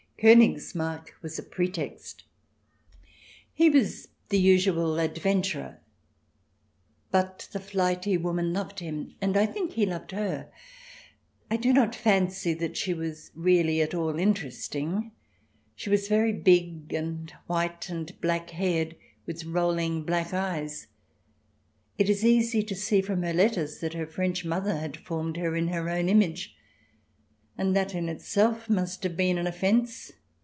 Konigsmarck was a pretext ; he was the usual adventurer, but the flighty woman loved him, and I think he loved her. I do not fancy that she was really at all interesting. She was very big and white and black haired, with rolling black eyes. It is easy to see from her letters that her French mother had formed her in her own image, and that in itself must have been an offence.